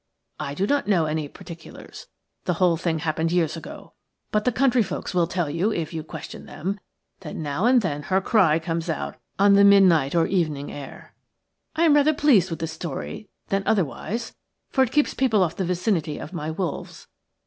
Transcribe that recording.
I do not know any particulars – the whole thing happened years ago – but the countryfolks will tell you, if you question them, that now and then her cry comes out on the midnight or evening air. I am rather pleased with the story than otherwise, for it keeps people off the vicinity of my wolves.